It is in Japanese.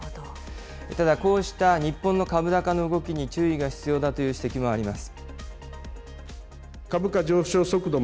ただこうした日本の株高の動きに注意が必要だという指摘もあります。